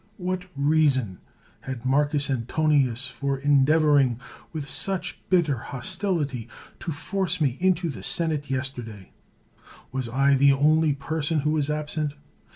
What reason had Marcus Antonius for endeav oring, with such bitter hostility, to force me into the senate yesterday? Was I the only person who was absent?